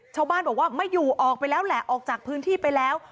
ชาวบ้านบอกว่าไม่อยู่ออกไปแล้วแหละออกจากพื้นที่ไปแล้ว